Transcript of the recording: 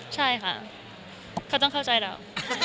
ใช่ค่ะเขาต้องเข้าใจเรา